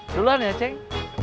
duluan ya ceng